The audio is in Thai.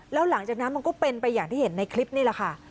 แล้วหลังจากนั้นมันก็เป็นไปอย่างที่เห็นในคลิปนี่แหละค่ะ